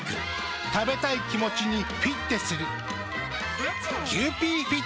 食べたい気持ちにフィッテする。